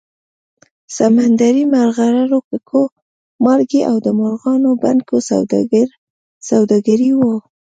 سمندري مرغلرو، ککو، مالګې او د مرغانو بڼکو سوداګري وه